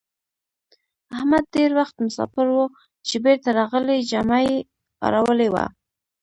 احمد ډېر وخت مساپر وو؛ چې بېرته راغی جامه يې اړولې وه.